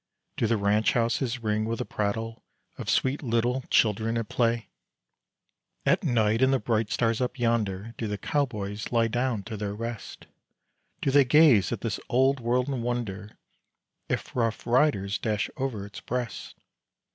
Do the ranch houses ring with the prattle Of sweet little children at play? At night in the bright stars up yonder Do the cowboys lie down to their rest? Do they gaze at this old world and wonder If rough riders dash over its breast?